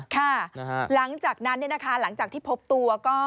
หลังจากนั้นหลังจากที่พบตัวก็